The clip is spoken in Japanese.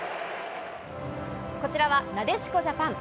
こちらはなでしこジャパン。